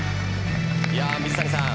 水谷さん。